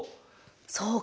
そうか！